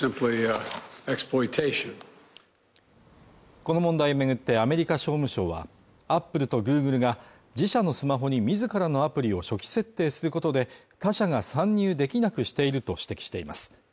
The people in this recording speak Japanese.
この問題を巡ってアメリカ商務省はアップルとグーグルが自社のスマホに自らのアプリを初期設定することで他社が参入できなくしていると指摘しています